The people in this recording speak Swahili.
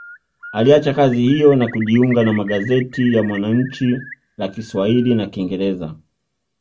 Aliacha kazi hiyo na kujiunga na magazeti ya Mwananchi la Kiswahili na kingereza